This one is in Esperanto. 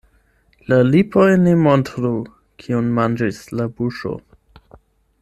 La lipoj ne montru, kion manĝis la buŝo.